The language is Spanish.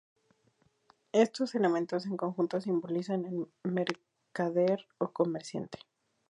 Estos elementos en conjunto simbolizan al mercader o comerciante.